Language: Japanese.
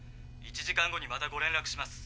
１時間後にまたご連絡します。